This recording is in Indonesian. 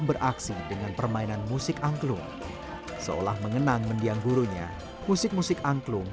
beraksi dengan permainan musik angklung seolah mengenang mendiang gurunya musik musik angklung